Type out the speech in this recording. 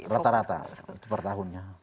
rata rata per tahunnya